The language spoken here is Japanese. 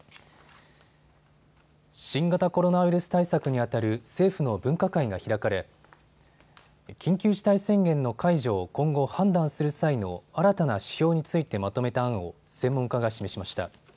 新型コロナウイルス対策にあたる政府の分科会が開かれ、緊急事態宣言の解除を今後、判断する際の新たな指標についてまとめた案を専門家が示しました。